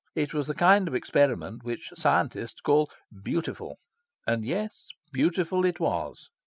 It was the kind of experiment which scientists call "beautiful." And yes, beautiful it was.